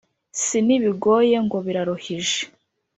si n'ibigoye ngo biraruhije.